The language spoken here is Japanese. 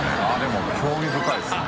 任興味深いですね。